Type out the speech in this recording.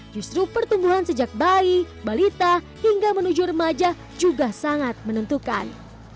justru pertumbuhan sejak bayi balita hingga menuju remaja juga sangat menentukan